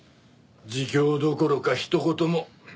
自供どころかひと言も。